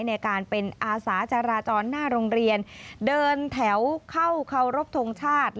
ในการเป็นอาสาจราจรหน้าโรงเรียนเดินแถวเข้าเคารพทงชาติ